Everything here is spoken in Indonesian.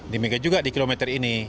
demikian juga di kilometer ini